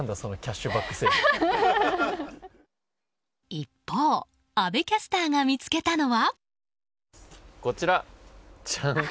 一方阿部キャスターが見つけたのは？